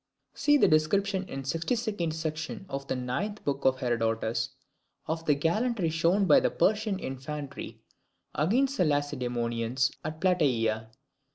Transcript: [See the description, in the 62nd section of the ninth book of Herodotus, of the gallantry shown by the Persian infantry against the Lacedaemonians at Plataea.